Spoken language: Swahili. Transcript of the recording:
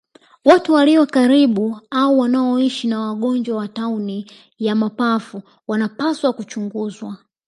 Watu walio karibu au wanaoishi na wagonjwa wa tauni ya mapafu wanapaswa kuchunguzwa